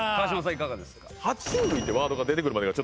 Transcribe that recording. いかがですか？